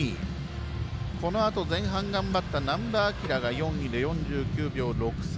このあと前半、頑張った難波暉が４位で４９秒６３。